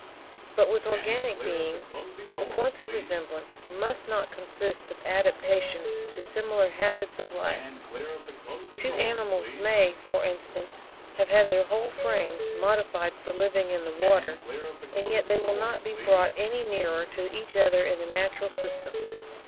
But with organic beings the points of resemblance must not consist of adaptations to similar habits of life: two animals may, for instance, have had their whole frames modified for living in the water, and yet they will not be brought any nearer to each other in the natural system.